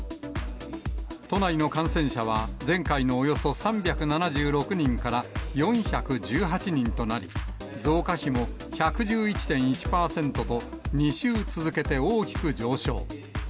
都内の感染者は、前回のおよそ３７６人から４１８人となり、増加比も１１１．１％と、２週続けて大きく上昇。